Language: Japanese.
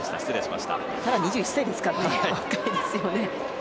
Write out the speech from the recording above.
まだ２１歳ですからね若いですよね。